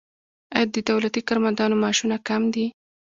آیا د دولتي کارمندانو معاشونه کم دي؟